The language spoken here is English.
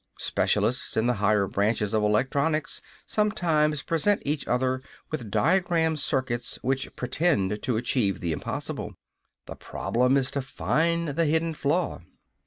Specialists in the higher branches of electronics sometimes present each other with diagrammed circuits which pretend to achieve the impossible. The problem is to find the hidden flaw.